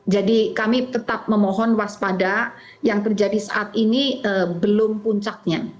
jadi kami tetap memohon waspada yang terjadi saat ini belum puncaknya